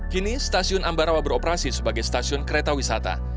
kini stasiun ambarawa beroperasi sebagai stasiun kereta wisata